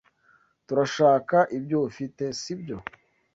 Turashaka ibyo ufite, si byo?